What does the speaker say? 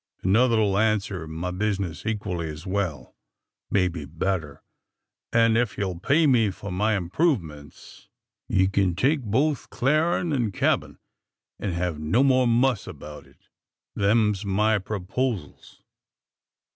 Another 'll answer my bizness equally as well maybe better an' ef ye'll pay me for my improvements, ye can take both clarin' an' cabin, an' hev no more muss about it. Them's my proposals."